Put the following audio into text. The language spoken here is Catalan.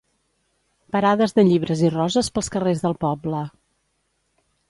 Parades de llibres i roses pels carrers del poble.